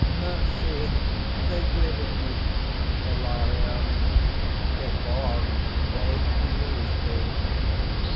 "Mercy! they weary me!" HILARION. "Before, they amused thee!"